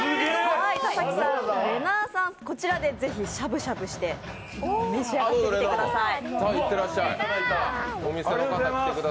田崎さん、れなぁさん、こちらでぜひしゃぶしゃぶして召し上がってください。